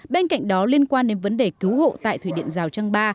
bên cạnh đó liên quan đến vấn đề cứu hộ tại thủy điện giao trang ba